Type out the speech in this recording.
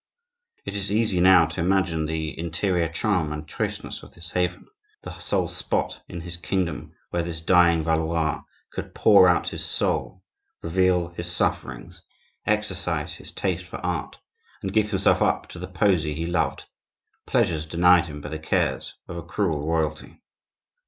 It is easy now to imagine the interior charm and choiceness of this haven, the sole spot in his kingdom where this dying Valois could pour out his soul, reveal his sufferings, exercise his taste for art, and give himself up to the poesy he loved,—pleasures denied him by the cares of a cruel royalty.